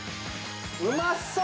うまそう！